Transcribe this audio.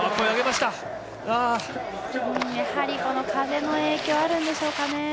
やはり風の影響があるんでしょうか。